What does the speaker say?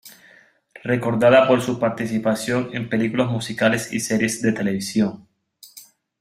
Recordada por su participación en películas musicales y series de televisión.